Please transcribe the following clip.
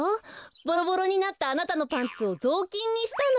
ボロボロになったあなたのパンツをぞうきんにしたの。